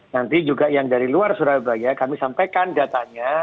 nanti juga yang dari luar surabaya kami sampaikan datanya